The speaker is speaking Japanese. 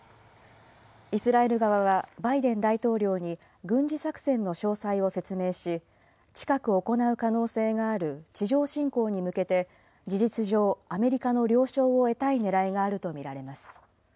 イスラエル側はバイデン大統領に軍事作戦の詳細を説明し、近く行う可能性がある地上侵攻に向けて、事実上、アメリカの了承を得たいねらいがあると見られます。